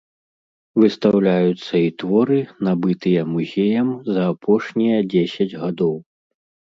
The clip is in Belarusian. Выстаўляюцца і творы, набытыя музеем за апошнія дзесяць гадоў.